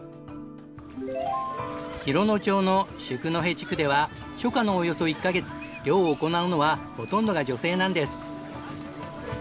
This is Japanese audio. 洋野町の宿戸地区では初夏のおよそ１カ月漁を行うのはほとんどが女性なんです。